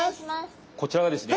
こちらがですね